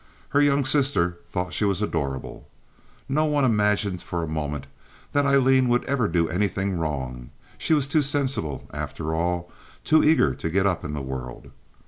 Her young sister thought she was adorable. No one imagined for one moment that Aileen would ever do anything wrong. She was too sensible, after all, too eager to get up in the world.